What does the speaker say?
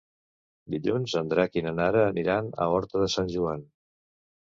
Dilluns en Drac i na Nara aniran a Horta de Sant Joan.